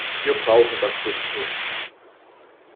Wir brauchen das System.